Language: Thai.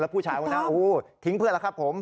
ผู้ชายคนนั้นโอ้โหทิ้งเพื่อนแล้วครับผม